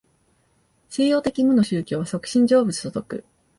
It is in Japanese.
東洋的無の宗教は即心是仏と説く。